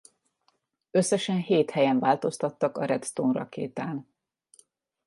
Összesen hét helyen változtattak a Redstone rakétán.